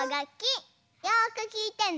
よくきいてね。